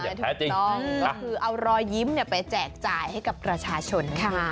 อย่าแพ้จริงเอารอยยิ้มไปแจกจ่ายให้กับประชาชนค่ะ